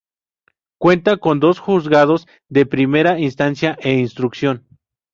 Cuenta con dos Juzgados de Primera Instancia e Instrucción.